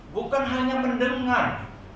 bukan hanya mendengar